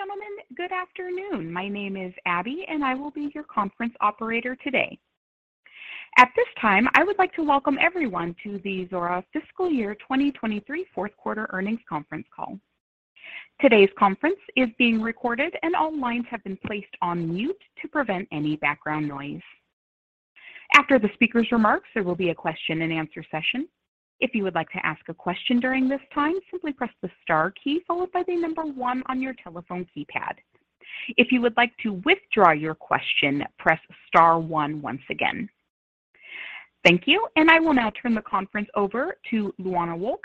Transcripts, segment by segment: Ladies and gentlemen, good afternoon. My name is Abby, and I will be your conference operator today. At this time, I would like to welcome everyone to the Zuora's Fiscal Year 2023 Fourth Quarter Earnings Conference Call. Today's conference is being recorded and all lines have been placed on mute to prevent any background noise. After the speaker's remarks, there will be a question-and-answer session. If you would like to ask a question during this time, simply press the star key followed by the number one on your telephone keypad. If you would like to withdraw your question, press star one once again. Thank you, and I will now turn the conference over to Luana Wolk,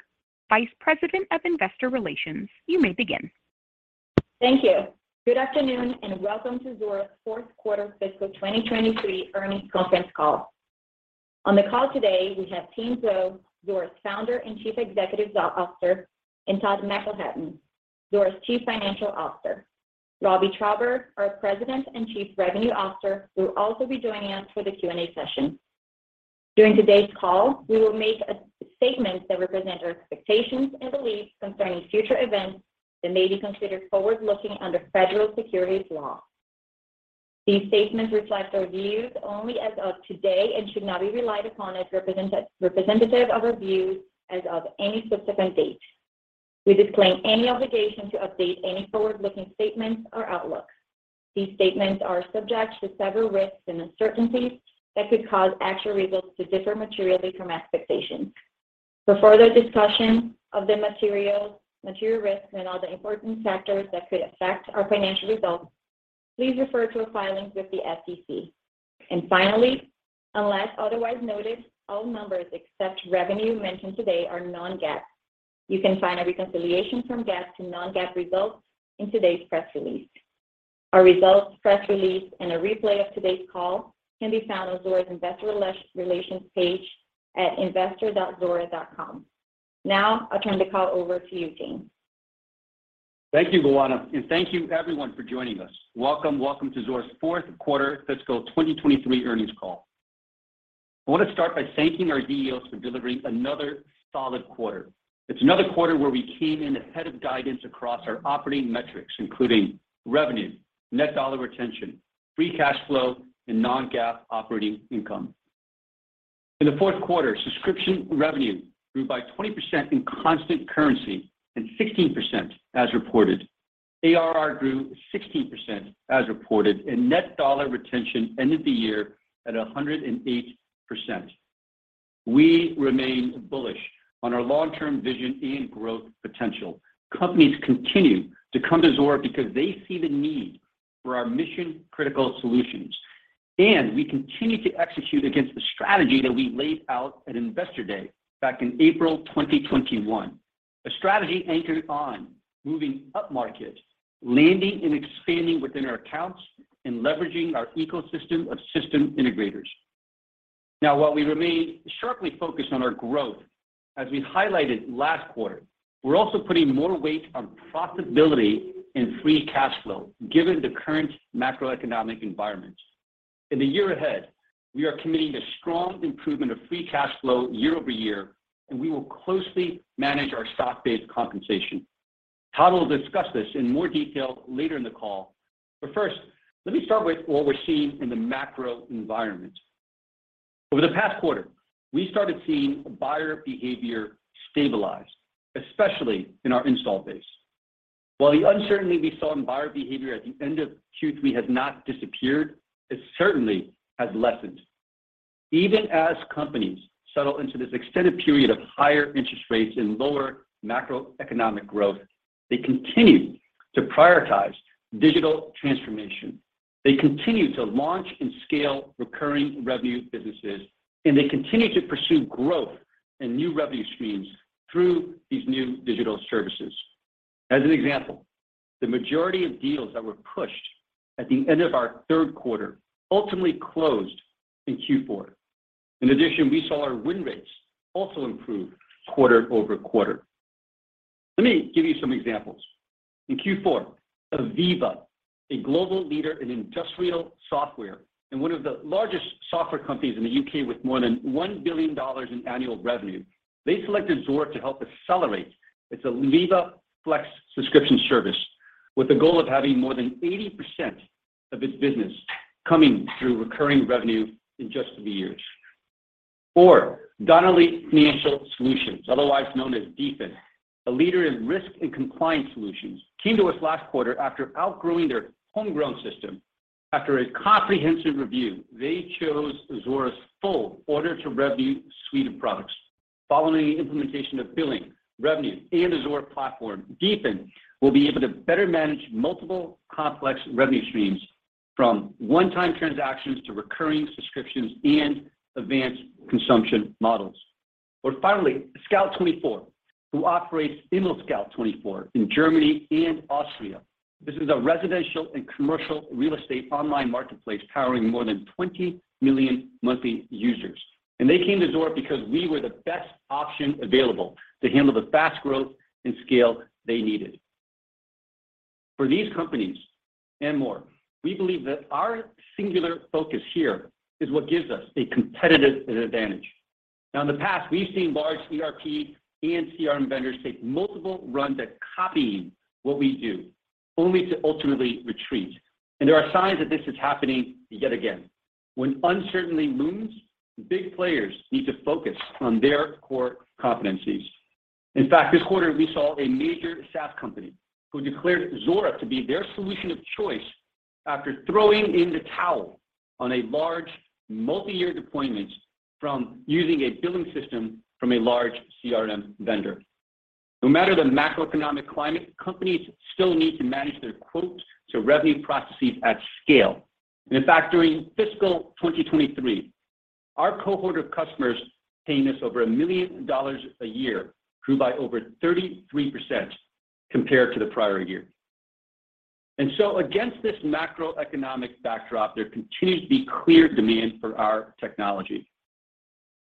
Vice President of Investor Relations. You may begin. Thank you. Good afternoon, and welcome to Zuora's Fourth Quarter Fiscal 2023 Earnings Conference Call. On the call today, we have Tien Tzuo, Zuora's Founder and Chief Executive Officer, and Todd McElhatton, Zuora's Chief Financial Officer. Robbie Traube, our President and Chief Revenue Officer, will also be joining us for the Q&A session. During today's call, we will make a statements that represent our expectations and beliefs concerning future events that may be considered forward-looking under federal securities law. These statements reflect our views only as of today and should not be relied upon as representative of our views as of any subsequent date. We disclaim any obligation to update any forward-looking statements or outlook. These statements are subject to several risks and uncertainties that could cause actual results to differ materially from expectations. For further discussion of the materials, material risks and other important factors that could affect our financial results, please refer to our filings with the SEC. Finally, unless otherwise noted, all numbers except revenue mentioned today are non-GAAP. You can find a reconciliation from GAAP to non-GAAP results in today's press release. Our results press release and a replay of today's call can be found on Zuora's Investor Relations page at investor.zuora.com. I'll turn the call over to you, Tien. Thank you, Luana. Thank you everyone for joining us. Welcome, welcome to Zuora's Fourth Quarter Fiscal 2023 Earnings Call. I want to start by thanking our ZEOs for delivering another solid quarter. It's another quarter where we came in ahead of guidance across our operating metrics, including revenue, net dollar retention, free cash flow, and non-GAAP operating income. In the fourth quarter, subscription revenue grew by 20% in constant currency and 16% as reported. ARR grew 16% as reported. Net dollar retention ended the year at 108%. We remain bullish on our long-term vision and growth potential. Companies continue to come to Zuora because they see the need for our mission-critical solutions. We continue to execute against the strategy that we laid out at Investor Day back in April 2021. A strategy anchored on moving upmarket, landing and expanding within our accounts, and leveraging our ecosystem of system integrators. Now, while we remain sharply focused on our growth, as we highlighted last quarter, we're also putting more weight on profitability and free cash flow, given the current macroeconomic environment. In the year ahead, we are committing to strong improvement of free cash flow year-over-year, and we will closely manage our stock-based compensation. Todd will discuss this in more detail later in the call, but first, let me start with what we're seeing in the macro environment. Over the past quarter, we started seeing buyer behavior stabilize, especially in our install base. While the uncertainty we saw in buyer behavior at the end of Q3 has not disappeared, it certainly has lessened. Even as companies settle into this extended period of higher interest rates and lower macroeconomic growth, they continue to prioritize digital transformation. They continue to launch and scale recurring revenue businesses. They continue to pursue growth and new revenue streams through these new digital services. As an example, the majority of deals that were pushed at the end of our third quarter ultimately closed in Q4. In addition, we saw our win rates also improve quarter-over-quarter. Let me give you some examples. In Q4, AVEVA, a global leader in industrial software and one of the largest software companies in the U.K. with more than $1 billion in annual revenue, they selected Zuora to help accelerate its AVEVA Flex subscription service with the goal of having more than 80% of its business coming through recurring revenue in just a few years. Donnelley Financial Solutions, otherwise known as DFIN, a leader in risk and compliance solutions, came to us last quarter after outgrowing their homegrown system. After a comprehensive review, they chose Zuora's full order-to-revenue suite of products. Following the implementation of billing, revenue, and the Zuora Platform, DFIN will be able to better manage multiple complex revenue streams from one-time transactions to recurring subscriptions and advanced consumption models. Finally, Scout24, who operates ImmoScout24 in Germany and Austria. This is a residential and commercial real estate online marketplace powering more than 20 million monthly users. They came to Zuora because we were the best option available to handle the fast growth and scale they needed. For these companies and more, we believe that our singular focus here is what gives us a competitive advantage. Now in the past, we've seen large ERP and CRM vendors take multiple runs at copying what we do, only to ultimately retreat. There are signs that this is happening yet again. When uncertainty looms, big players need to focus on their core competencies. In fact, this quarter, we saw a major SaaS company who declared Zuora to be their solution of choice after throwing in the towel on a large multi-year deployment from using a billing system from a large CRM vendor. No matter the macroeconomic climate, companies still need to manage their quotes to revenue processes at scale. In fact, during fiscal 2023, our cohort of customers paying us over $1 million a year grew by over 33% compared to the prior year. Against this macroeconomic backdrop, there continues to be clear demand for our technology.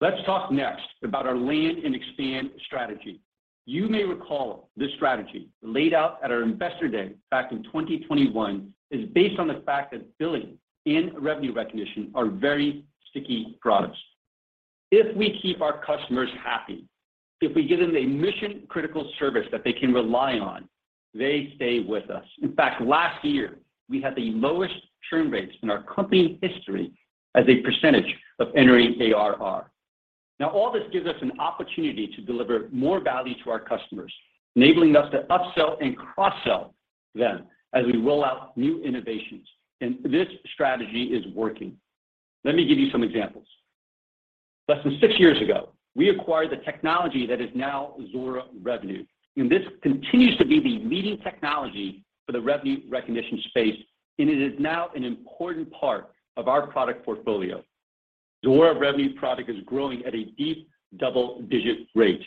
Let's talk next about our land and expand strategy. You may recall this strategy laid out at our investor day back in 2021 is based on the fact that billing and revenue recognition are very sticky products. If we keep our customers happy, if we give them a mission-critical service that they can rely on, they stay with us. In fact, last year we had the lowest churn rates in our company history as a percentage of entering ARR. All this gives us an opportunity to deliver more value to our customers, enabling us to upsell and cross-sell them as we roll out new innovations. This strategy is working. Let me give you some examples. Less than six years ago, we acquired the technology that is now Zuora Revenue, this continues to be the leading technology for the revenue recognition space, and it is now an important part of our product portfolio. Zuora Revenue product is growing at a deep double-digit rate.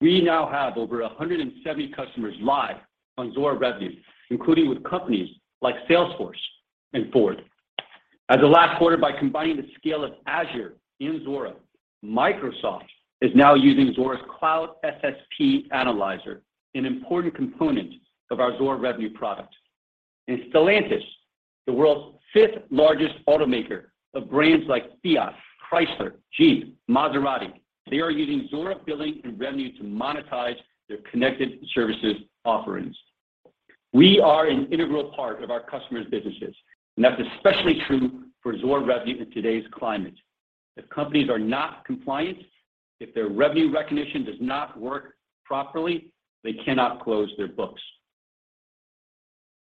We now have over 170 customers live on Zuora Revenue, including with companies like Salesforce and Ford. As of last quarter, by combining the scale of Azure and Zuora, Microsoft is now using Zuora's Cloud SSP Analyzer, an important component of our Zuora Revenue product. Stellantis, the world's fifth-largest automaker of brands like Fiat, Chrysler, Jeep, Maserati, they are using Zuora Billing and Revenue to monetize their connected services offerings. We are an integral part of our customers' businesses, and that's especially true for Zuora Revenue in today's climate. If companies are not compliant, if their revenue recognition does not work properly, they cannot close their books.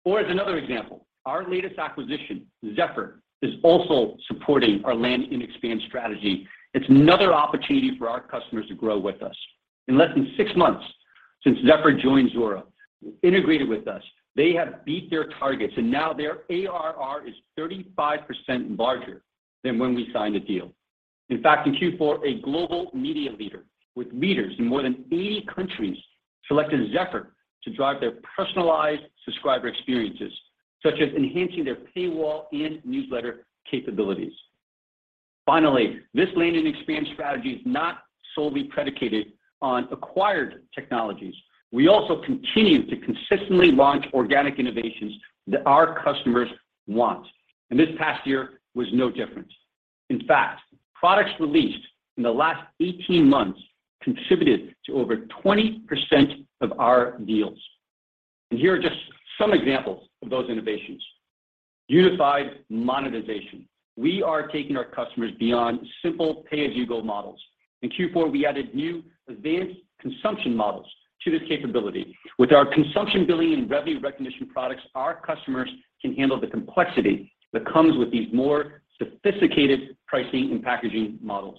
As another example, our latest acquisition, Zephr, is also supporting our land and expand strategy. It's another opportunity for our customers to grow with us. In less than 6 months since Zephr joined Zuora, integrated with us, they have beat their targets. Now their ARR is 35% larger than when we signed the deal. In fact, in Q4, a global media leader with readers in more than 80 countries selected Zephr to drive their personalized subscriber experiences, such as enhancing their paywall and newsletter capabilities. Finally, this land and expand strategy is not solely predicated on acquired technologies. We also continue to consistently launch organic innovations that our customers want. This past year was no different. Products released in the last 18 months contributed to over 20% of our deals. Here are just some examples of those innovations. Unified monetization. We are taking our customers beyond simple pay-as-you-go models. In Q4, we added new advanced consumption models to this capability. With our consumption billing and revenue recognition products, our customers can handle the complexity that comes with these more sophisticated pricing and packaging models.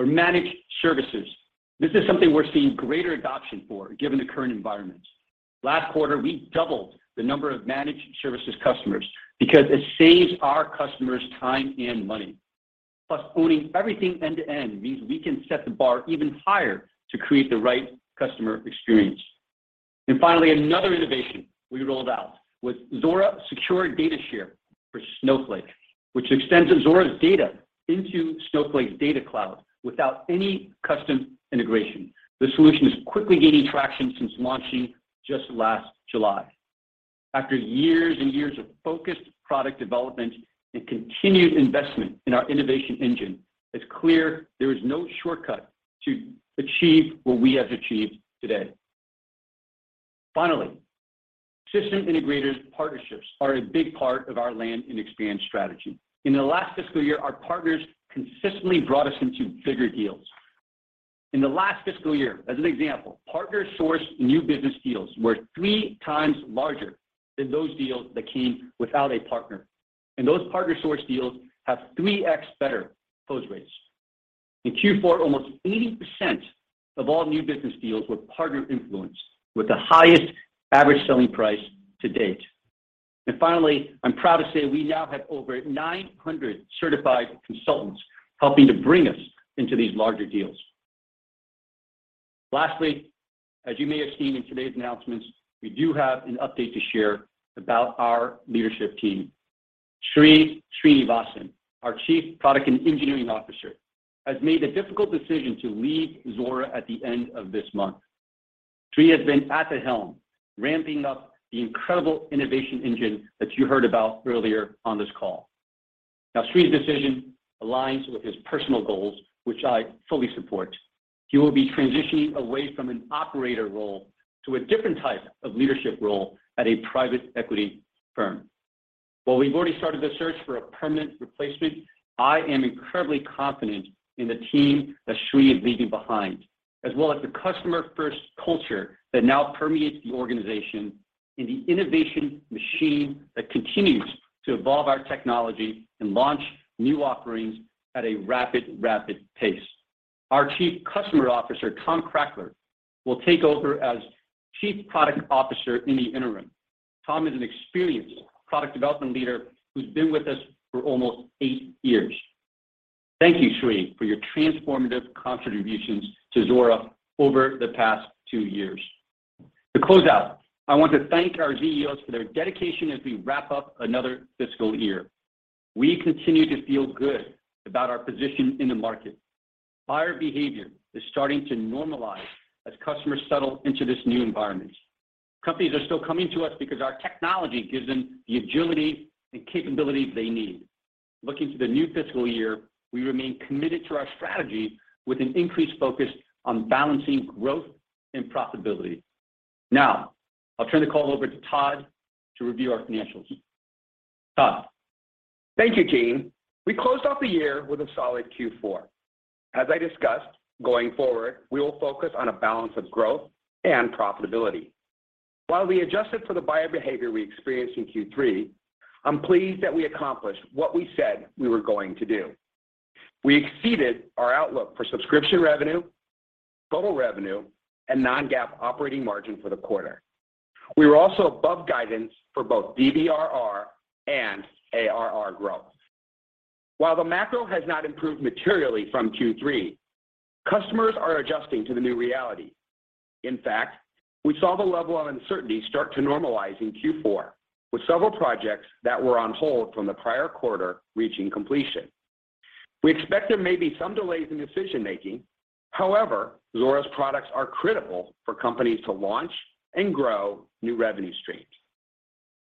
Managed services, this is something we're seeing greater adoption for given the current environment. Last quarter, we doubled the number of managed services customers because it saves our customers time and money. Owning everything end-to-end means we can set the bar even higher to create the right customer experience. Finally, another innovation we rolled out was Zuora Secure Data Share for Snowflake, which extends Zuora's data into Snowflake's data cloud without any custom integration. The solution is quickly gaining traction since launching just last July. After years and years of focused product development and continued investment in our innovation engine, it's clear there is no shortcut to achieve what we have achieved today. System integrators partnerships are a big part of our land and expand strategy. In the last fiscal year, our partners consistently brought us into bigger deals. In the last fiscal year, as an example, partner-sourced new business deals were 3x larger than those deals that came without a partner. Those partner-sourced deals have 3x better close rates. In Q4, almost 80% of all new business deals were partner-influenced with the highest average selling price to date. Finally, I'm proud to say we now have over 900 certified consultants helping to bring us into these larger deals. As you may have seen in today's announcements, we do have an update to share about our leadership team. Sri Srinivasan, our Chief Product and Engineering Officer, has made the difficult decision to leave Zuora at the end of this month. Sri has been at the helm, ramping up the incredible innovation engine that you heard about earlier on this call. Sri's decision aligns with his personal goals, which I fully support. He will be transitioning away from an operator role to a different type of leadership role at a private equity firm. We've already started the search for a permanent replacement, I am incredibly confident in the team that Sri is leaving behind, as well as the customer-first culture that now permeates the organization and the innovation machine that continues to evolve our technology and launch new offerings at a rapid pace. Our Chief Customer Officer, Tom Krackeler, will take over as Chief Product Officer in the interim. Tom is an experienced product development leader who's been with us for almost eight years. Thank you, Sri, for your transformative contributions to Zuora over the past two years. To close out, I want to thank our ZEOs for their dedication as we wrap up another fiscal year. We continue to feel good about our position in the market. Buyer behavior is starting to normalize as customers settle into this new environment. Companies are still coming to us because our technology gives them the agility and capability they need. Looking to the new fiscal year, we remain committed to our strategy with an increased focus on balancing growth and profitability. I'll turn the call over to Todd to review our financials. Todd. Thank you, Tien. We closed off the year with a solid Q4. As I discussed, going forward, we will focus on a balance of growth and profitability. While we adjusted for the buyer behavior we experienced in Q3, I'm pleased that we accomplished what we said we were going to do. We exceeded our outlook for subscription revenue, total revenue, and non-GAAP operating margin for the quarter. We were also above guidance for both DBRR and ARR growth. While the macro has not improved materially from Q3, customers are adjusting to the new reality. In fact, we saw the level of uncertainty start to normalize in Q4, with several projects that were on hold from the prior quarter reaching completion. We expect there may be some delays in decision-making. However, Zuora's products are critical for companies to launch and grow new revenue streams.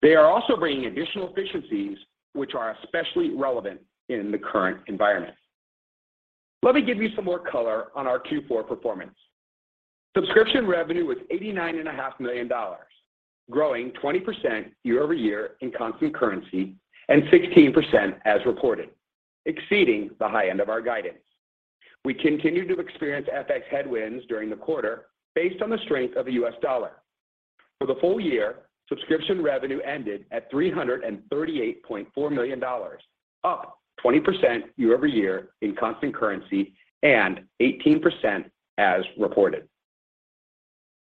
They are also bringing additional efficiencies, which are especially relevant in the current environment. Let me give you some more color on our Q4 performance. Subscription revenue was eighty-nine and a half million dollars, growing 20% year-over-year in constant currency and 16% as reported, exceeding the high end of our guidance. We continued to experience FX headwinds during the quarter based on the strength of the U.S. dollar. For the full year, subscription revenue ended at $338.4 million, up 20% year-over-year in constant currency and 18% as reported.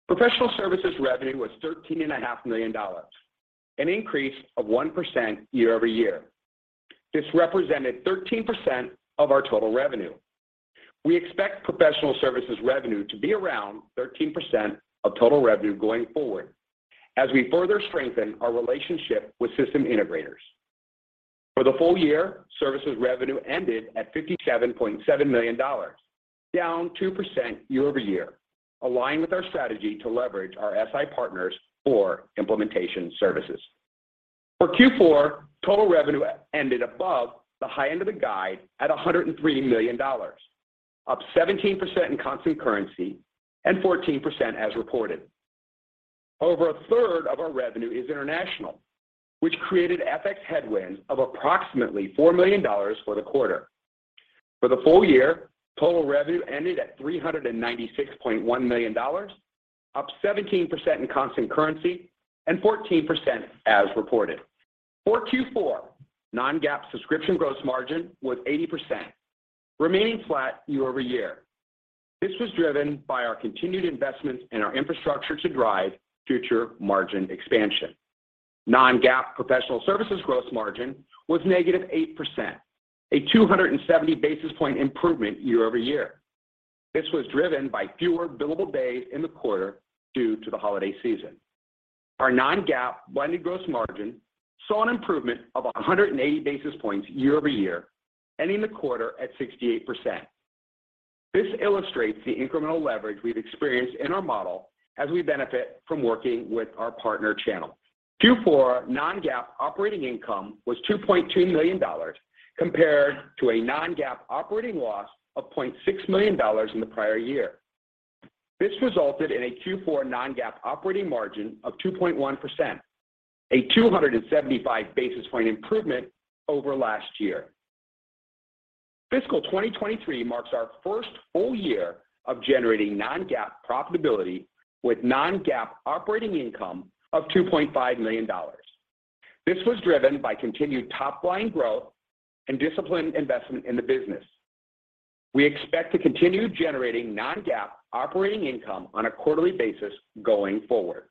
Professional services revenue was thirteen and a half million dollars, an increase of 1% year-over-year. This represented 13% of our total revenue. We expect professional services revenue to be around 13% of total revenue going forward as we further strengthen our relationship with system integrators. For the full year, services revenue ended at $57.7 million, down 2% year-over-year, aligned with our strategy to leverage our SI partners for implementation services. For Q4, total revenue ended above the high end of the guide at $103 million, up 17% in constant currency and 14% as reported. Over a third of our revenue is international, which created FX headwinds of approximately $4 million for the quarter. For the full year, total revenue ended at $396.1 million, up 17% in constant currency and 14% as reported. For Q4, non-GAAP subscription gross margin was 80%, remaining flat year-over-year. This was driven by our continued investments in our infrastructure to drive future margin expansion. Non-GAAP professional services gross margin was negative 8%, a 270 basis point improvement year-over-year. This was driven by fewer billable days in the quarter due to the holiday season. Our non-GAAP blended gross margin saw an improvement of 180 basis points year-over-year, ending the quarter at 68%. This illustrates the incremental leverage we've experienced in our model as we benefit from working with our partner channel. Q4 non-GAAP operating income was $2.2 million compared to a non-GAAP operating loss of $0.6 million in the prior year. This resulted in a Q4 non-GAAP operating margin of 2.1%, a 275 basis point improvement over last year. Fiscal 2023 marks our first full year of generating non-GAAP profitability with non-GAAP operating income of $2.5 million. This was driven by continued top-line growth and disciplined investment in the business. We expect to continue generating non-GAAP operating income on a quarterly basis going forward.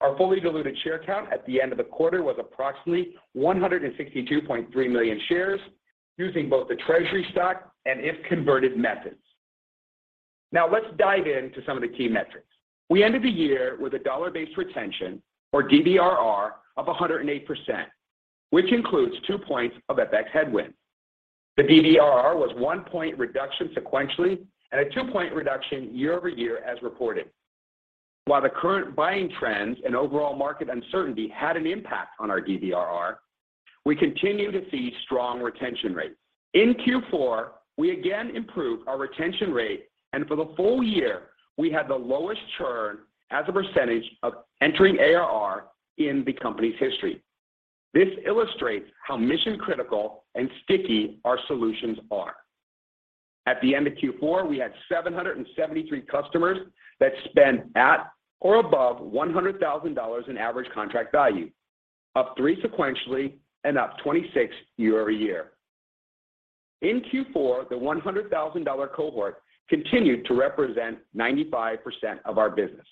Our fully diluted share count at the end of the quarter was approximately 162.3 million shares using both the treasury stock and if-converted methods. Now let's dive into some of the key metrics. We ended the year with a dollar-based retention or DBRR of 108%, which includes two points of FX headwinds. The DBRR was one point reduction sequentially and a two-point reduction year-over-year as reported. While the current buying trends and overall market uncertainty had an impact on our DBRR, we continue to see strong retention rates. In Q4, we again improved our retention rate, and for the full year, we had the lowest churn as a percentage of entering ARR in the company's history. This illustrates how mission-critical and sticky our solutions are. At the end of Q4, we had 773 customers that spent at or above $100,000 in average contract value, up three sequentially and up 26 year-over-year. In Q4, the $100,000 cohort continued to represent 95% of our business.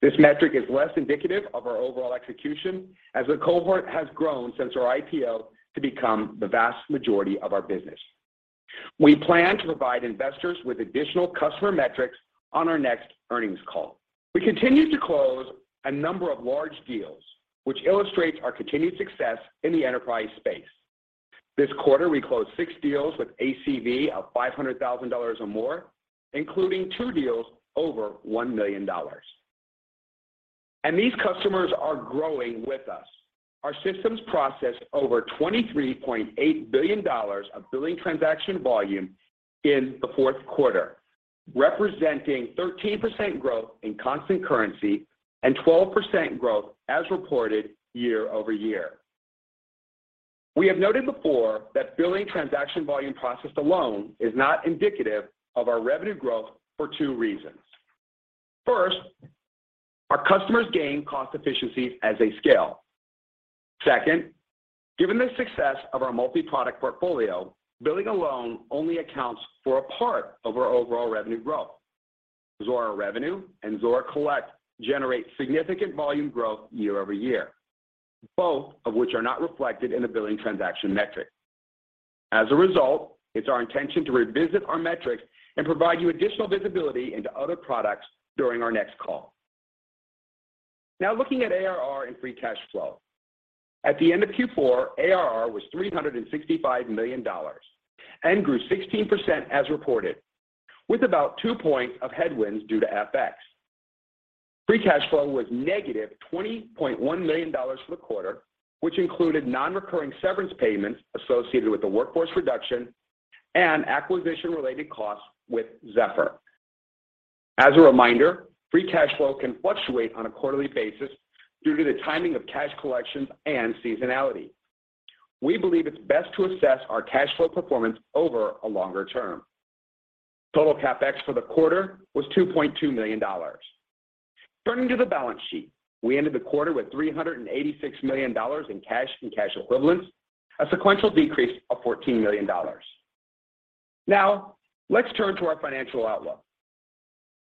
This metric is less indicative of our overall execution as the cohort has grown since our IPO to become the vast majority of our business. We plan to provide investors with additional customer metrics on our next earnings call. We continue to close a number of large deals, which illustrates our continued success in the enterprise space. This quarter, we closed six deals with ACV of $500,000 or more, including two deals over $1 million. These customers are growing with us. Our systems processed over $23.8 billion of billing transaction volume in the fourth quarter, representing 13% growth in constant currency and 12% growth as reported year-over-year. We have noted before that billing transaction volume processed alone is not indicative of our revenue growth for two reasons. First, our customers gain cost efficiencies as they scale. Second, given the success of our multi-product portfolio, billing alone only accounts for a part of our overall revenue growth. Zuora Revenue and Zuora Collect generate significant volume growth year-over-year, both of which are not reflected in the billing transaction metric. As a result, it's our intention to revisit our metrics and provide you additional visibility into other products during our next call. Looking at ARR and free cash flow. At the end of Q4, ARR was $365 million and grew 16% as reported, with about two points of headwinds due to FX. Free cash flow was negative $20.1 million for the quarter, which included non-recurring severance payments associated with the workforce reduction and acquisition-related costs with Zephr. As a reminder, free cash flow can fluctuate on a quarterly basis due to the timing of cash collections and seasonality. We believe it's best to assess our cash flow performance over a longer term. Total CapEx for the quarter was $2.2 million. Turning to the balance sheet, we ended the quarter with $386 million in cash and cash equivalents, a sequential decrease of $14 million. Now, let's turn to our financial outlook.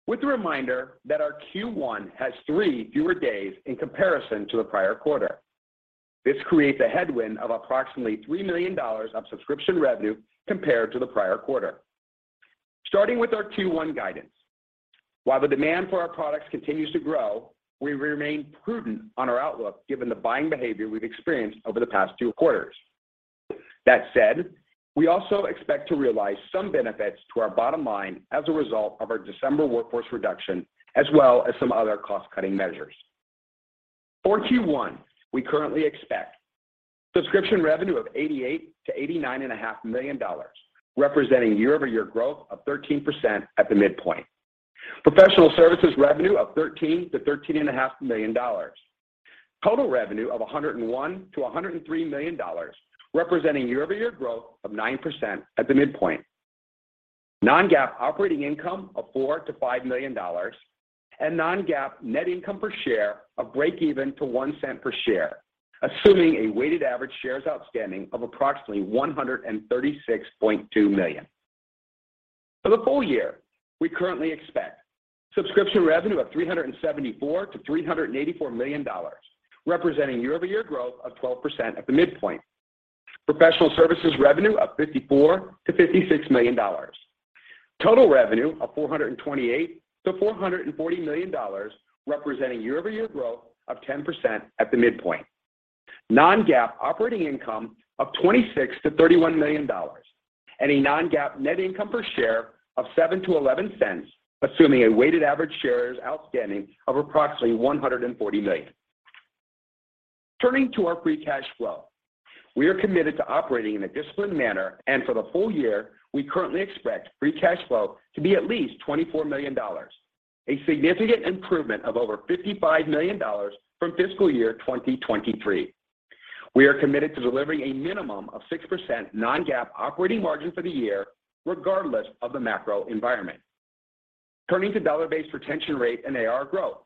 With the reminder that our Q1 has three fewer days in comparison to the prior quarter. This creates a headwind of approximately $3 million of subscription revenue compared to the prior quarter. Starting with our Q1 guidance. While the demand for our products continues to grow, we remain prudent on our outlook given the buying behavior we've experienced over the past two quarters. That said, we also expect to realize some benefits to our bottom line as a result of our December workforce reduction, as well as some other cost-cutting measures. For Q1, we currently expect subscription revenue of $88 to eighty-nine and a half million dollars, representing year-over-year growth of 13% at the midpoint. Professional services revenue of $13 to thirteen and a half million dollars. Total revenue of $101 million-$103 million, representing year-over-year growth of 9% at the midpoint. non-GAAP operating income of $4 million-$5 million, and non-GAAP net income per share of breakeven to $0.01 per share, assuming a weighted average shares outstanding of approximately 136.2 million. For the full year, we currently expect subscription revenue of $374 million-$384 million, representing year-over-year growth of 12% at the midpoint. Professional services revenue of $54 million-$56 million. Total revenue of $428 million-$440 million, representing year-over-year growth of 10% at the midpoint. Non-GAAP operating income of $26 million-$31 million. A non-GAAP net income per share of $0.07-$0.11, assuming a weighted average shares outstanding of approximately 140 million. Turning to our free cash flow. We are committed to operating in a disciplined manner. For the full year, we currently expect free cash flow to be at least $24 million, a significant improvement of over $55 million from fiscal year 2023. We are committed to delivering a minimum of 6% non-GAAP operating margin for the year, regardless of the macro environment. Turning to Dollar-Based Retention Rate and ARR growth.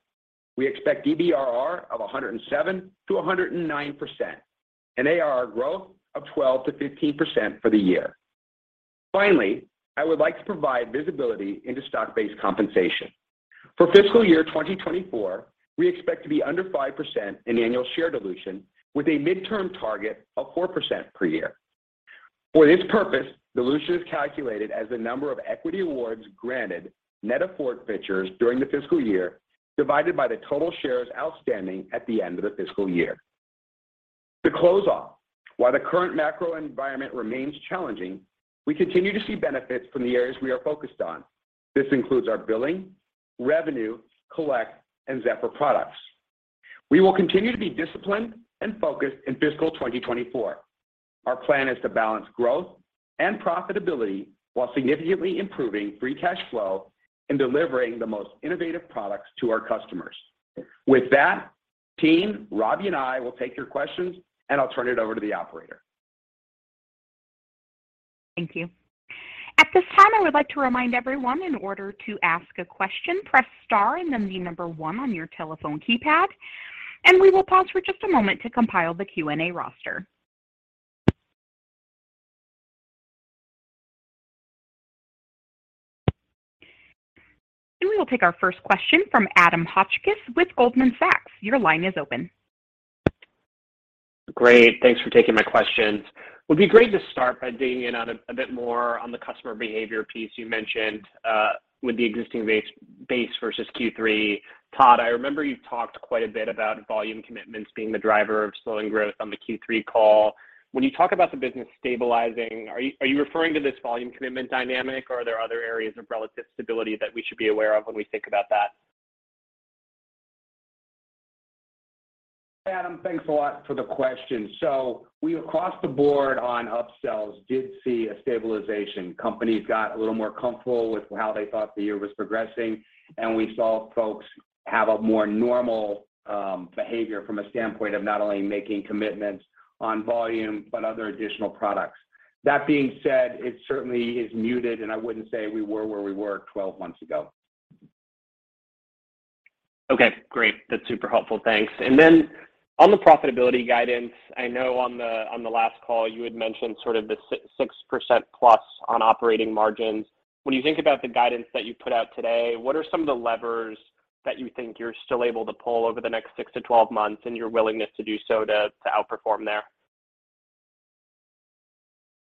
We expect DBRR of 107%-109%, and ARR growth of 12%-15% for the year. Finally, I would like to provide visibility into stock-based compensation. For fiscal year 2024, we expect to be under 5% in annual share dilution with a midterm target of 4% per year. For this purpose, dilution is calculated as the number of equity awards granted net of forfeitures during the fiscal year. Divided by the total shares outstanding at the end of the fiscal year. To close off, while the current macro environment remains challenging, we continue to see benefits from the areas we are focused on. This includes our Billing, Revenue, Collect, and Zephr products. We will continue to be disciplined and focused in fiscal 2024. Our plan is to balance growth and profitability while significantly improving free cash flow and delivering the most innovative products to our customers. With that, team, Robbie, and I will take your questions, and I'll turn it over to the operator. Thank you. At this time, I would like to remind everyone in order to ask a question, press star and then the number one on your telephone keypad, and we will pause for just a moment to compile the Q&A roster. We will take our first question from Adam Hotchkiss with Goldman Sachs. Your line is open. Great. Thanks for taking my questions. Would be great to start by digging in on a bit more on the customer behavior piece you mentioned with the existing base versus Q3. Todd, I remember you talked quite a bit about volume commitments being the driver of slowing growth on the Q3 call. When you talk about the business stabilizing, are you referring to this volume commitment dynamic, or are there other areas of relative stability that we should be aware of when we think about that? Adam, thanks a lot for the question. We, across the board on upsells, did see a stabilization. Companies got a little more comfortable with how they thought the year was progressing, and we saw folks have a more normal behavior from a standpoint of not only making commitments on volume, but other additional products. That being said, it certainly is muted, and I wouldn't say we were where we were 12 months ago. Okay, great. That's super helpful. Thanks. On the profitability guidance, I know on the last call you had mentioned sort of the 6%+ on operating margins. When you think about the guidance that you put out today, what are some of the levers that you think you're still able to pull over the next six to 12 months and your willingness to do so to outperform there?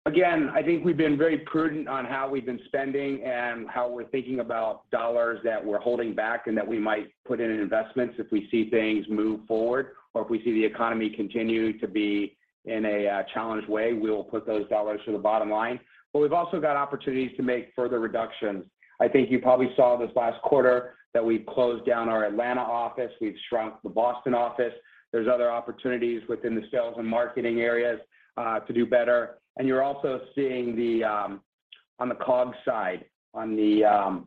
I think we've been very prudent on how we've been spending and how we're thinking about dollars that we're holding back and that we might put in investments if we see things move forward, or if we see the economy continue to be in a challenged way, we will put those dollars to the bottom line. We've also got opportunities to make further reductions. I think you probably saw this last quarter that we closed down our Atlanta office, we've shrunk the Boston office. There's other opportunities within the sales and marketing areas to do better. You're also seeing the on the COGS side, on the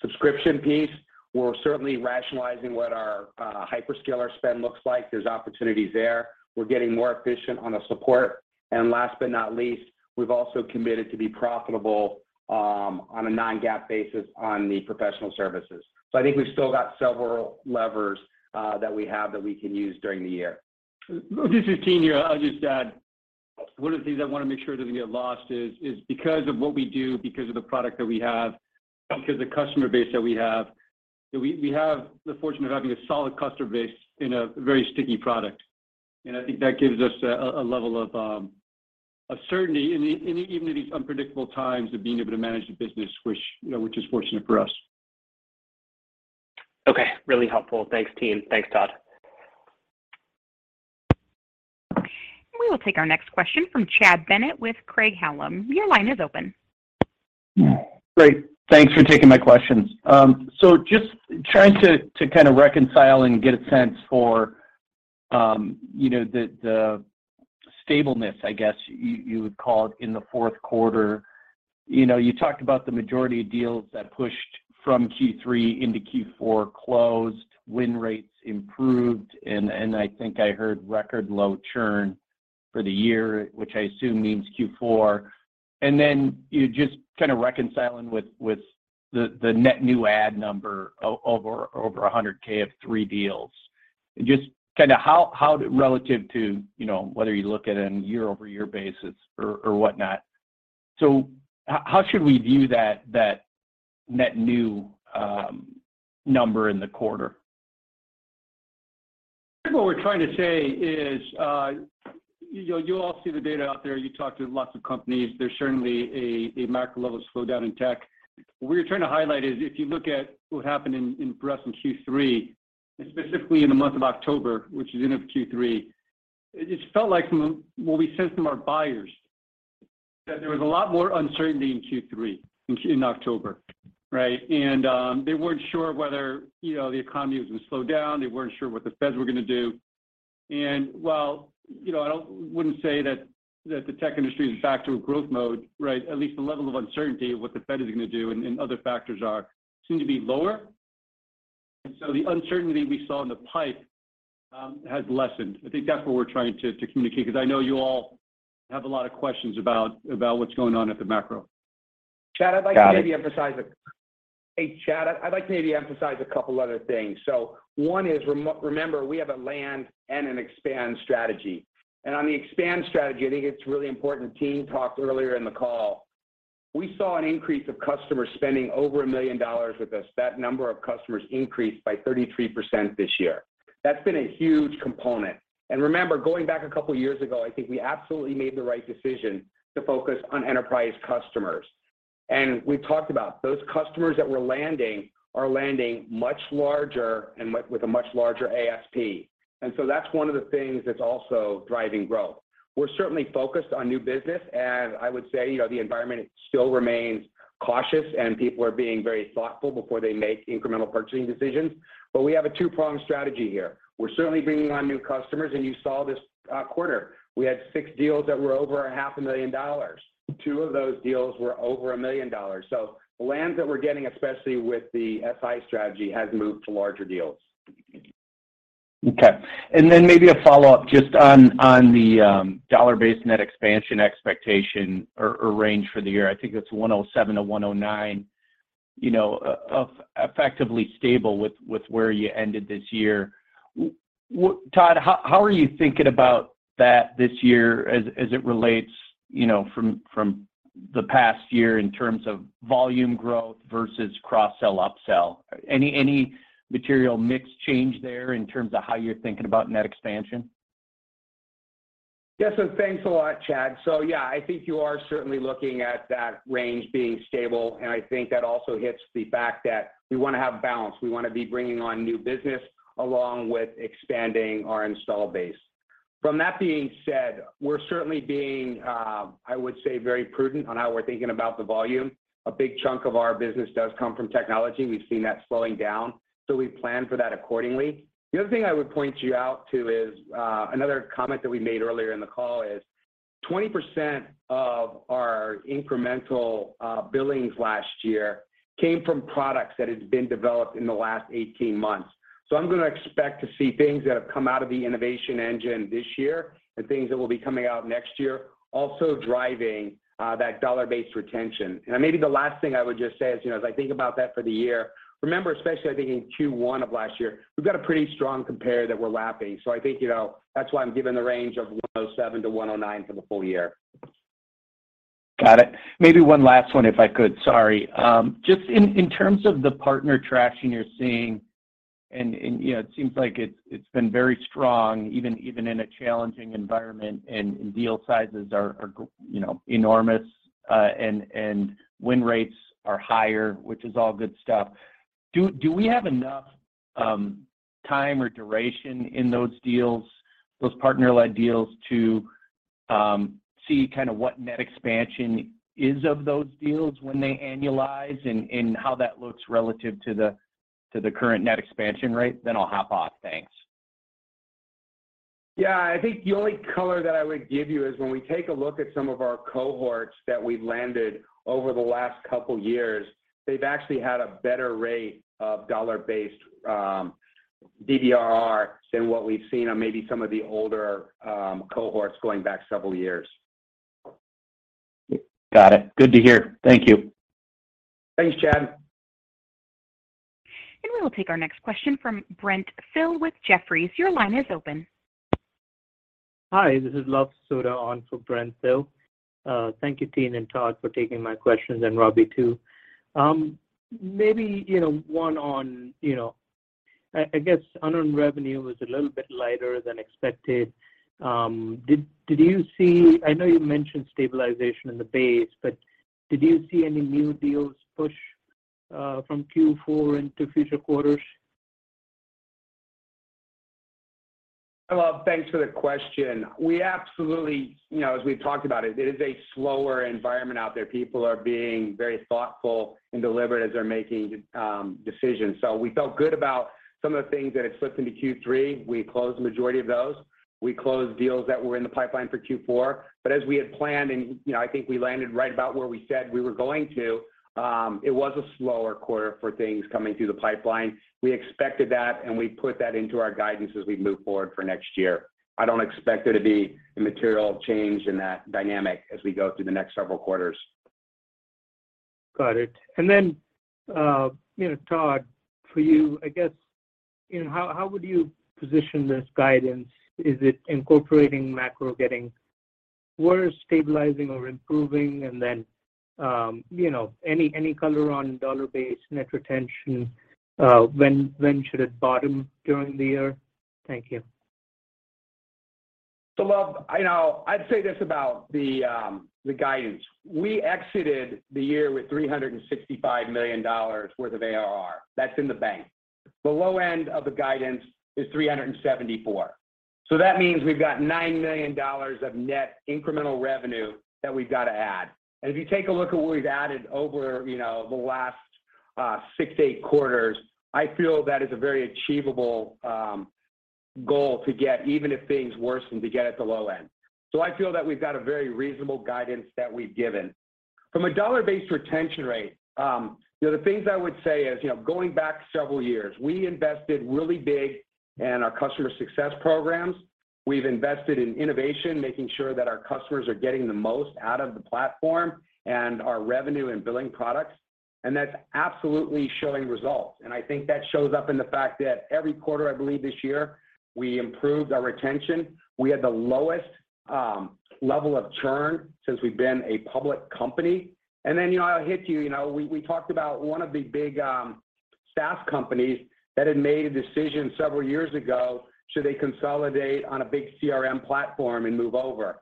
subscription piece, we're certainly rationalizing what our hyperscaler spend looks like. There's opportunities there. We're getting more efficient on the support. Last but not least, we've also committed to be profitable, on a non-GAAP basis on the professional services. I think we've still got several levers that we have that we can use during the year. This is Tien here. I'll just add, one of the things I wanna make sure doesn't get lost is because of what we do, because of the product that we have, because the customer base that we have, that we have the fortune of having a solid customer base in a very sticky product. I think that gives us a level of certainty even in these unpredictable times of being able to manage the business, which, you know, which is fortunate for us. Okay. Really helpful. Thanks, Tien. Thanks, Todd. We will take our next question from Chad Bennett with Craig-Hallum. Your line is open. Great. Thanks for taking my questions. Just trying to kinda reconcile and get a sense for, you know, the stableness, I guess, you would call it in the fourth quarter. You know, you talked about the majority of deals that pushed from Q3 into Q4 closed, win rates improved, and I think I heard record low churn for the year, which I assume means Q4. You just kinda reconciling with the net new add number over 100K of three deals. Just kinda how relative to, you know, whether you look at it in year-over-year basis or whatnot. How should we view that net new number in the quarter? I think what we're trying to say is, you all see the data out there, you talk to lots of companies. There's certainly a macro level slowdown in tech. What we're trying to highlight is if you look at what happened for us in Q3, and specifically in the month of October, which is end of Q3, it felt like what we sensed from our buyers, that there was a lot more uncertainty in Q3, in October, right? They weren't sure whether, you know, the economy was gonna slow down. They weren't sure what the Feds were gonna do. While, you know, I wouldn't say that the tech industry is back to a growth mode, right, at least the level of uncertainty of what the Fed is gonna do and other factors are soon to be lower. The uncertainty we saw in the pipe has lessened. I think that's what we're trying to communicate, because I know you all have a lot of questions about what's going on at the macro. Hey, Chad. I'd like to maybe emphasize a couple other things. One is remember, we have a land and an expand strategy. On the expand strategy, I think it's really important. Team talked earlier in the call. We saw an increase of customers spending over $1 million with us. That number of customers increased by 33% this year. That's been a huge component. Remember, going back a couple years ago, I think we absolutely made the right decision to focus on enterprise customers. We've talked about those customers that we're landing are landing much larger and with a much larger ASP. That's one of the things that's also driving growth. We're certainly focused on new business. I would say, you know, the environment still remains cautious. People are being very thoughtful before they make incremental purchasing decisions. We have a two-prong strategy here. We're certainly bringing on new customers. You saw this quarter, we had six deals that were over a half a million dollars. Two of those deals were over $1 million. The lands that we're getting, especially with the SI strategy, has moved to larger deals. Okay. And then maybe a follow-up just on the dollar-based net expansion expectation or range for the year. I think that's 107%-109%, you know, of effectively stable with where you ended this year. Todd, how are you thinking about that this year as it relates, you know, from the past year in terms of volume growth versus cross-sell, upsell? Any material mix change there in terms of how you're thinking about net expansion? Thanks a lot, Chad. Yeah, I think you are certainly looking at that range being stable, and I think that also hits the fact that we wanna have balance. We wanna be bringing on new business along with expanding our install base. That being said, we're certainly being, I would say very prudent on how we're thinking about the volume. A big chunk of our business does come from technology. We've seen that slowing down, so we plan for that accordingly. The other thing I would point you out to is, another comment that we made earlier in the call is, 20% of our incremental billings last year came from products that has been developed in the last 18 months. I'm gonna expect to see things that have come out of the innovation engine this year and things that will be coming out next year, also driving that dollar-based retention. Maybe the last thing I would just say is, you know, as I think about that for the year, remember, especially I think in Q1 of last year, we've got a pretty strong compare that we're lapping. I think, you know, that's why I'm given the range of 107%-109% for the full year. Got it. Maybe one last one if I could, sorry. Just in terms of the partner traction you're seeing and, you know, it seems like it's been very strong even in a challenging environment and deal sizes are you know, enormous, and win rates are higher, which is all good stuff. Do we have enough time or duration in those partner-led deals to see kinda what net expansion is of those deals when they annualize and how that looks relative to the current net expansion rate? I'll hop off. Thanks. Yeah. I think the only color that I would give you is when we take a look at some of our cohorts that we've landed over the last couple years, they've actually had a better rate of dollar-based DBRR than what we've seen on maybe some of the older cohorts going back several years. Got it. Good to hear. Thank you. Thanks, Chad. We will take our next question from Brent Thill with Jefferies. Your line is open. Hi, this is Luv Sodha on for Brent Thill. Thank you, Tien and Todd, for taking my questions, and Robbie too. Maybe, you know, one on, you know, I guess unearned revenue was a little bit lighter than expected. Did you see, I know you mentioned stabilization in the base, but did you see any new deals push from Q4 into future quarters? Luv, thanks for the question. We absolutely, you know, as we've talked about it is a slower environment out there. People are being very thoughtful and deliberate as they're making decisions. We felt good about some of the things that had slipped into Q3. We closed the majority of those. We closed deals that were in the pipeline for Q4. As we had planned, and, you know, I think we landed right about where we said we were going to, it was a slower quarter for things coming through the pipeline. We expected that, and we put that into our guidance as we move forward for next year. I don't expect there to be a material change in that dynamic as we go through the next several quarters. Got it. You know, Todd, for you, I guess, you know, how would you position this guidance? Is it incorporating macro getting worse, stabilizing or improving? You know, any color on dollar-based net retention? When should it bottom during the year? Thank you. Luv, I'd say this about the guidance. We exited the year with $365 million worth of ARR. That's in the bank. The low end of the guidance is $374 million. That means we've got $9 million of net incremental revenue that we've gotta add. If you take a look at what we've added over, you know, the last six to eight quarters, I feel that is a very achievable goal to get, even if things worsen, to get at the low end. I feel that we've got a very reasonable guidance that we've given. From a Dollar-Based Retention Rate, you know, the things I would say is, you know, going back several years, we invested really big in our customer success programs. We've invested in innovation, making sure that our customers are getting the most out of the platform and our revenue and billing products, that's absolutely showing results. I think that shows up in the fact that every quarter, I believe this year, we improved our retention. We had the lowest level of churn since we've been a public company. Then, you know, I'll hit you know, we talked about one of the big SaaS companies that had made a decision several years ago, should they consolidate on a big CRM platform and move over.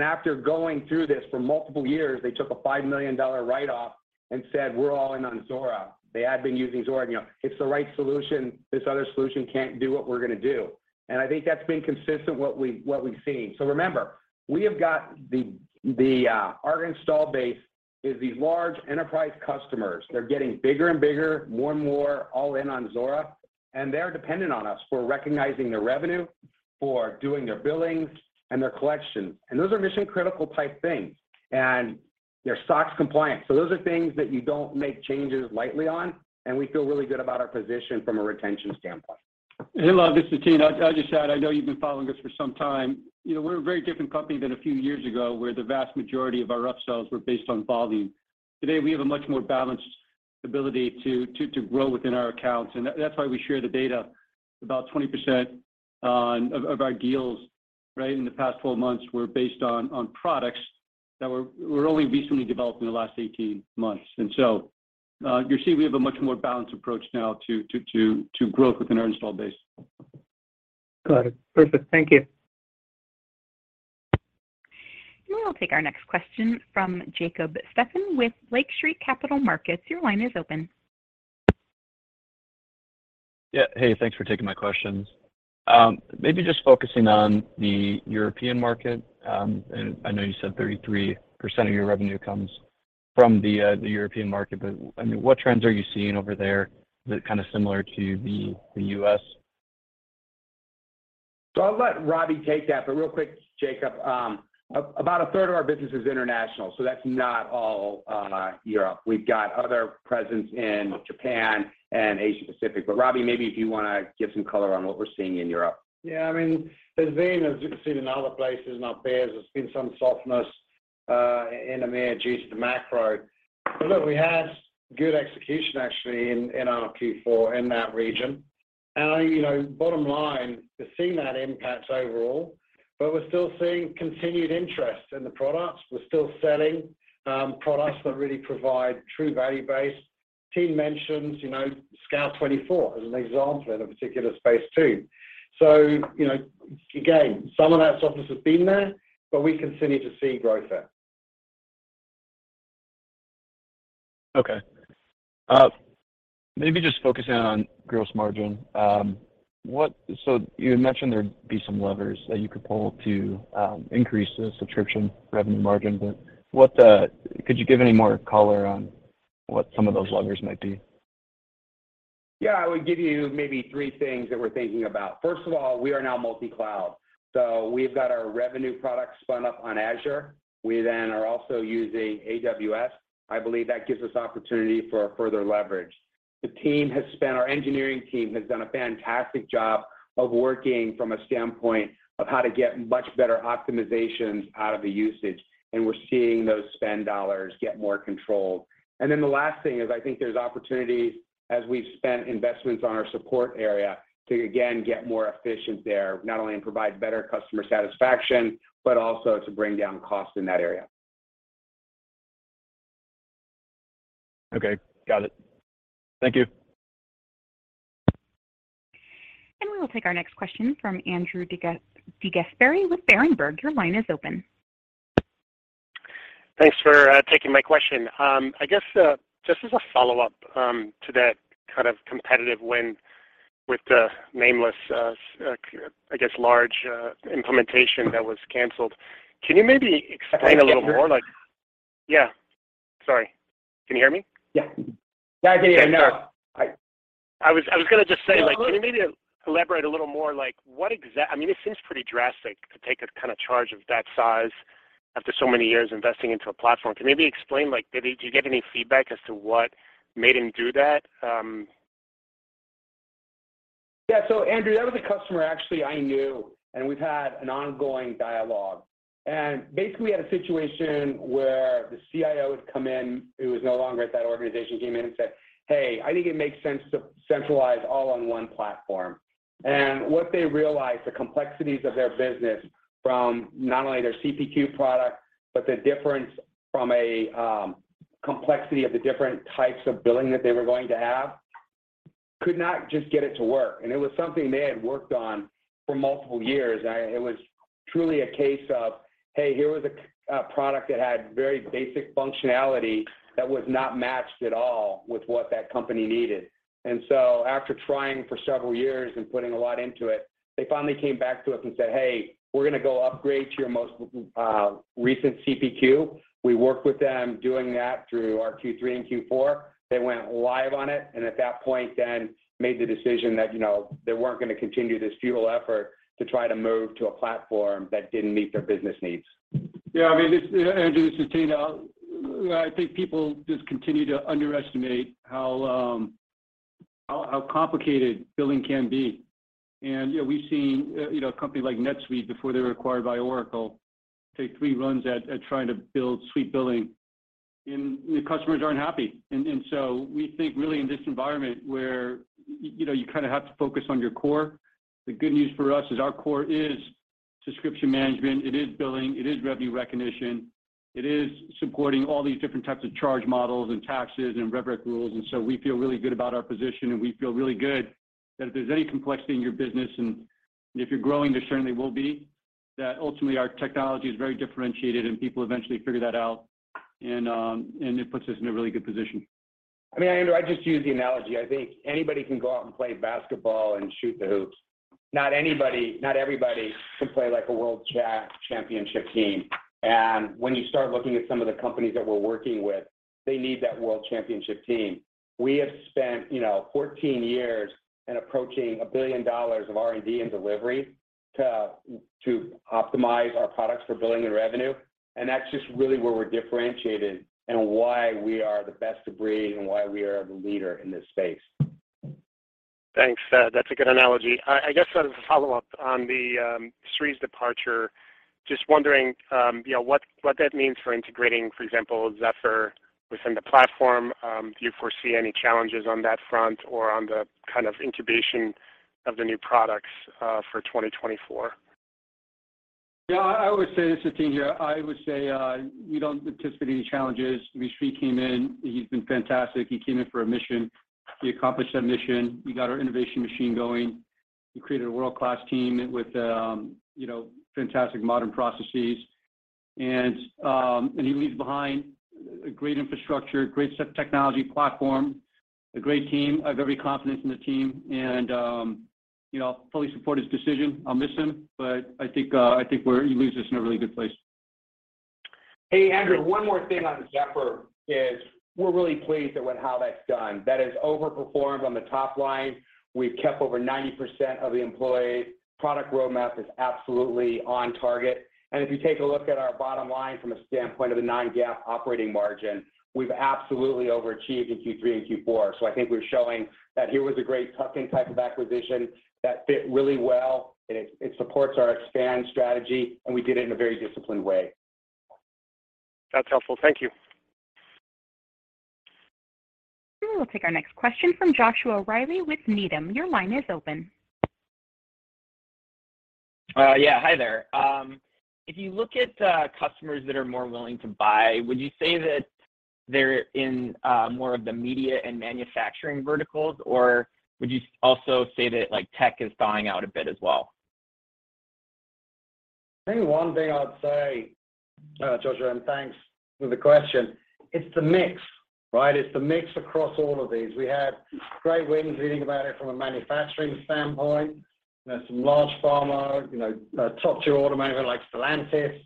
After going through this for multiple years, they took a $5 million write-off and said, "We're all in on Zuora." They had been using Zuora, and you know, it's the right solution. This other solution can't do what we're gonna do. I think that's been consistent what we've seen. Remember, we have got the, our install base is these large enterprise customers. They're getting bigger and bigger, more and more all in on Zuora, and they're dependent on us for recognizing their revenue, for doing their billings, and their collections. Those are mission-critical type things, and they're SOX compliant. Those are things that you don't make changes lightly on, and we feel really good about our position from a retention standpoint. Hey, Luv, this is Tien. I know you've been following us for some time. You know, we're a very different company than a few years ago, where the vast majority of our upsells were based on volume. Today, we have a much more balanced ability to grow within our accounts. That's why we share the data. About 20% of our deals, right, in the past 12 months were based on products that were only recently developed in the last 18 months. You're seeing we have a much more balanced approach now to growth within our install base. Got it. Perfect. Thank you. We'll take our next question from Jacob Stephan with Lake Street Capital Markets. Your line is open. Yeah. Hey, thanks for taking my questions. Maybe just focusing on the European market, I know you said 33% of your revenue comes from the European market, but, I mean, what trends are you seeing over there that are kind of similar to the U.S.? I'll let Robbie take that, but real quick, Jacob, about a third of our business is international, so that's not all, Europe. We've got other presence in Japan and Asia Pacific. Robbie, maybe if you wanna give some color on what we're seeing in Europe. Yeah, I mean, there's been, as you can see it in other places and out there's been some softness in them there due to the macro. Look, we had good execution actually in our Q4 in that region. You know, bottom line, we're seeing that impact overall, but we're still seeing continued interest in the products. We're still selling products that really provide true value base. Team mentions, you know, Scout24 as an example in a particular space too. You know, again, some of that softness has been there, but we continue to see growth there. Maybe just focusing on gross margin. You had mentioned there'd be some levers that you could pull to increase the subscription revenue margin, but what could you give any more color on what some of those levers might be? Yeah. I would give you maybe three things that we're thinking about. First of all, we are now multi-cloud. We've got our revenue products spun up on Azure. We then are also using AWS. I believe that gives us opportunity for further leverage. Our engineering team has done a fantastic job of working from a standpoint of how to get much better optimizations out of the usage, and we're seeing those spend dollars get more control. The last thing is, I think there's opportunity as we've spent investments on our support area to again get more efficient there, not only and provide better customer satisfaction, but also to bring down costs in that area. Okay. Got it. Thank you. We will take our next question from Andrew DeGasperi with Berenberg. Your line is open. Thanks for taking my question. I guess just as a follow-up to that kind of competitive win with the nameless I guess large implementation that was canceled. Can you maybe explain a little more like? I did hear. Yeah. Sorry. Can you hear me? Yeah. Yeah, I can hear you now. I was gonna just say, like, can you maybe elaborate a little more, like, what I mean, it seems pretty drastic to take a kinda charge of that size after so many years investing into a platform? Can you maybe explain, like, maybe do you get any feedback as to what made him do that? Yeah. So Andrew, that was a customer actually I knew, and we've had an ongoing dialogue. Basically, we had a situation where the CIO had come in, who was no longer at that organization, came in and said, "Hey, I think it makes sense to centralize all on one platform." What they realized, the complexities of their business from not only their CPQ product, but the difference from a complexity of the different types of billing that they were going to have, could not just get it to work. It was something they had worked on for multiple years. It was truly a case of, hey, here was a product that had very basic functionality that was not matched at all with what that company needed. After trying for several years and putting a lot into it, they finally came back to us and said, "Hey, we're gonna go upgrade to your most recent CPQ." We worked with them doing that through our Q3 and Q4. They went live on it, and at that point then made the decision that, you know, they weren't gonna continue this futile effort to try to move to a platform that didn't meet their business needs. Yeah, I mean, it's Andrew, this is Tien. I think people just continue to underestimate how complicated billing can be. You know, we've seen a company like NetSuite before they were acquired by Oracle, take three runs at trying to build suite billing, and the customers aren't happy. So we think really in this environment where, you know, you kinda have to focus on your core, the good news for us is our core is Subscription management, it is billing, it is revenue recognition, it is supporting all these different types of charge models, and taxes, and rev rec rules. We feel really good about our position, and we feel really good that if there's any complexity in your business, and if you're growing, there certainly will be, that ultimately our technology is very differentiated, and people eventually figure that out. It puts us in a really good position. I mean, Andrew, I just use the analogy. I think anybody can go out and play basketball and shoot the hoops. Not everybody can play like a world championship team. When you start looking at some of the companies that we're working with, they need that world championship team. We have spent, you know, 14 years in approaching $1 billion of R&D and delivery to optimize our products for billing and revenue. That's just really where we're differentiated and why we are the best of breed and why we are the leader in this space. Thanks, that's a good analogy. I guess as a follow-up on Sri's departure, just wondering, you know, what that means for integrating, for example, Zephr within the platform. Do you foresee any challenges on that front or on the kind of incubation of the new products for 2024? Yeah, I would say this, Tien, here. I would say, we don't anticipate any challenges. I mean, Sri came in, he's been fantastic. He came in for a mission. He accomplished that mission. We got our innovation machine going. He created a world-class team with, you know, fantastic modern processes. He leaves behind a great infrastructure, great set technology platform, a great team. I have every confidence in the team and, you know, fully support his decision. I'll miss him, but I think, he leaves us in a really good place. Hey, Andrew, one more thing on Zephr is we're really pleased at with how that's done. That has overperformed on the top line. We've kept over 90% of the employees. Product roadmap is absolutely on target. If you take a look at our bottom line from a standpoint of the non-GAAP operating margin, we've absolutely overachieved in Q3 and Q4. I think we're showing that here was a great tuck-in type of acquisition that fit really well, and it supports our expand strategy, and we did it in a very disciplined way. That's helpful. Thank you. We'll take our next question from Joshua Reilly with Needham. Your line is open. Yeah, hi there. If you look at customers that are more willing to buy, would you say that they're in more of the media and manufacturing verticals, or would you also say that, like, tech is thawing out a bit as well? I think one thing I would say, Joshua, thanks for the question, it's the mix, right? It's the mix across all of these. We have great wins if you think about it from a manufacturing standpoint. There's some large pharma, top-tier automotive like Stellantis,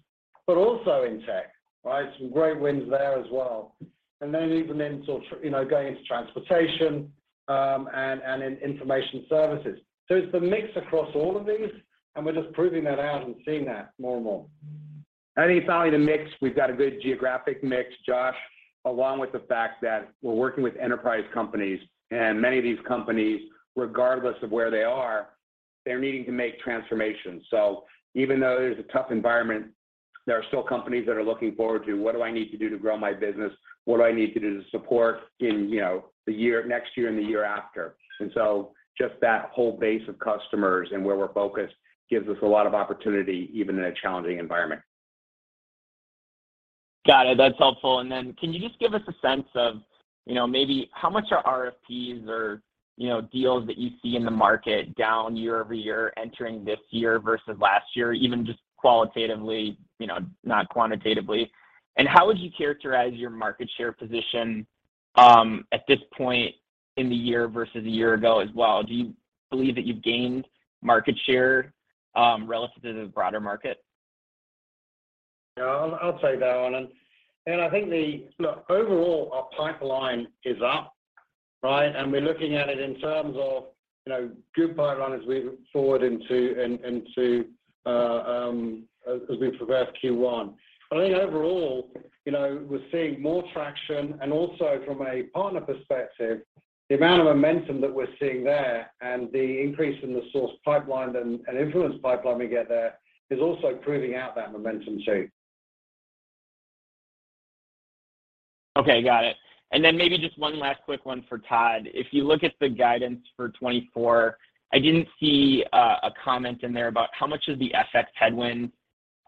but also in tech, right? Some great wins there as well. Even in sort of going into transportation, and in information services. It's the mix across all of these, and we're just proving that out and seeing that more and more. I think it's only the mix. We've got a good geographic mix, Josh, along with the fact that we're working with enterprise companies. Many of these companies, regardless of where they are, they're needing to make transformations. Even though there's a tough environment, there are still companies that are looking forward to, "What do I need to do to grow my business? What do I need to do to support in, you know, the year, next year and the year after?" Just that whole base of customers and where we're focused gives us a lot of opportunity, even in a challenging environment. Got it. That's helpful. Can you just give us a sense of, you know, maybe how much are RFPs or, you know, deals that you see in the market down year-over-year entering this year versus last year, even just qualitatively, you know, not quantitatively? How would you characterize your market share position at this point in the year versus a year ago as well? Do you believe that you've gained market share relative to the broader market? Yeah, I'll take that one. Look, overall, our pipeline is up, right? We're looking at it in terms of, you know, good pipeline as we move forward into as we progress Q1. I think overall, you know, we're seeing more traction, and also from a partner perspective, the amount of momentum that we're seeing there and the increase in the source pipeline and influence pipeline we get there is also proving out that momentum too. Okay, got it. Then maybe just one last quick one for Todd. If you look at the guidance for 2024, I didn't see a comment in there about how much of the FX headwind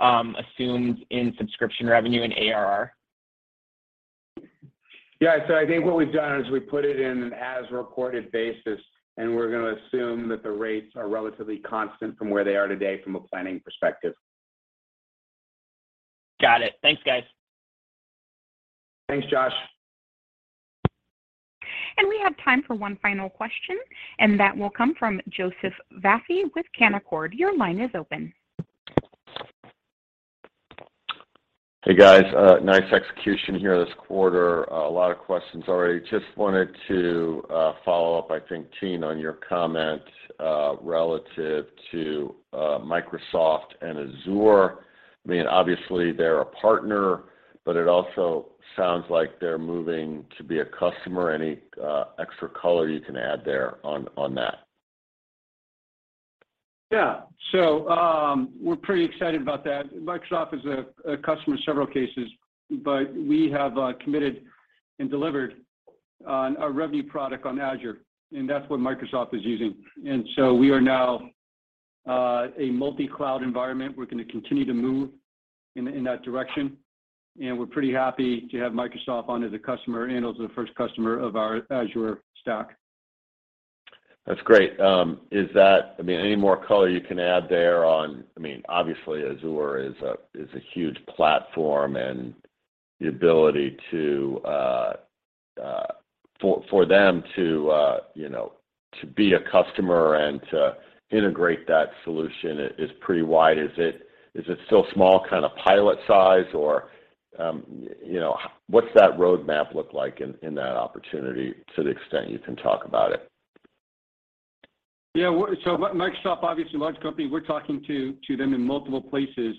assumes in subscription revenue and ARR. Yeah. I think what we've done is we've put it in an as-recorded basis, and we're gonna assume that the rates are relatively constant from where they are today from a planning perspective. Got it. Thanks, guys. Thanks, Josh. We have time for one final question, and that will come from Joseph Vafi with Canaccord. Your line is open. Hey, guys. nice execution here this quarter. A lot of questions already. Just wanted to follow up, I think, Tien, on your comment relative to Microsoft and Azure. I mean, obviously they're a partner, but it also sounds like they're moving to be a customer. Any extra color you can add there on that? Yeah. We're pretty excited about that. Microsoft is a customer in several cases, but we have committed and delivered on our revenue product on Azure, and that's what Microsoft is using. We are now a multi-cloud environment. We're gonna continue to move in that direction, and we're pretty happy to have Microsoft on as a customer and as the first customer of our Azure stack. That's great. I mean, any more color you can add there on... I mean, obviously Azure is a, is a huge platform, and the ability to, for them to, you know, to be a customer and to integrate that solution is pretty wide. Is it, is it still small, kinda pilot size or, you know, what's that roadmap look like in that opportunity to the extent you can talk about it? Yeah. Microsoft, obviously, a large company, we're talking to them in multiple places.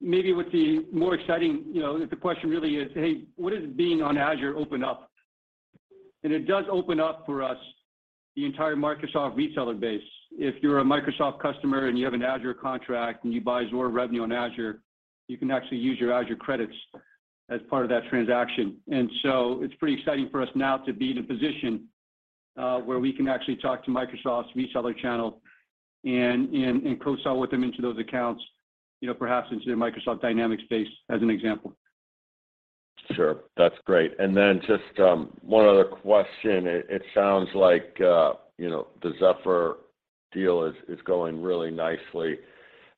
maybe what the more exciting, you know, the question really is, "Hey, what does being on Azure open up?" It does open up for us the entire Microsoft reseller base. If you're a Microsoft customer and you have an Azure contract and you buy Azure revenue on Azure, you can actually use your Azure credits as part of that transaction. It's pretty exciting for us now to be in a position where we can actually talk to Microsoft's reseller channel and co-sell with them into those accounts, you know, perhaps into the Microsoft Dynamics space, as an example. Sure. That's great. Then just one other question. It sounds like, you know, the Zephr deal is going really nicely.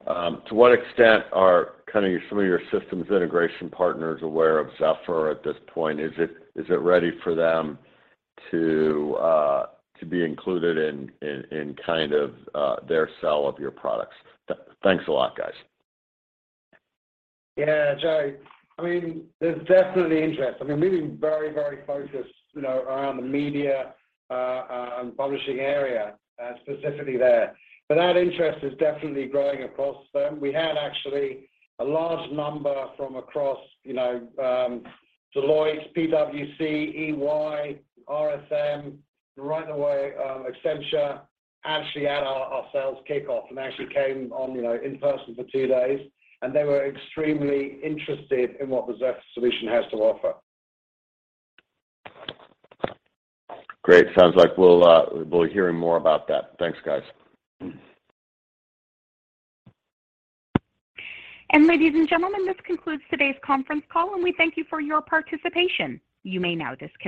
To what extent are kinda your, some of your systems integration partners aware of Zephr at this point? Is it ready for them to be included in kind of their sell of your products? Thanks a lot, guys. Yeah, Jay. I mean, there's definitely interest. I mean, we've been very, very focused, you know, around the media and publishing area specifically there. That interest is definitely growing across them. We had actually a large number from across, you know, Deloitte, PwC, EY, RSM. Right away, Accenture actually had our sales kickoff and actually came on, you know, in person for two days, and they were extremely interested in what the Zephr solution has to offer. Great. Sounds like we'll be hearing more about that. Thanks, guys. ladies and gentlemen, this concludes today's conference call, and we thank you for your participation. You may now disconnect.